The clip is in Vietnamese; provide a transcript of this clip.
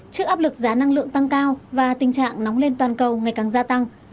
trước áp lực giá năng lượng tăng cao và tình trạng nóng lên toàn cầu ngày càng gia tăng